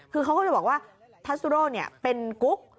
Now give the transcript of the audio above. คือเขาก็เลยบอกว่าพัสซุโร่เป็นกุ๊ก